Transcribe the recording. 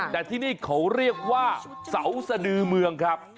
แต่ที่นี่เขาเรียกว่าเสาสดือเมืองครับ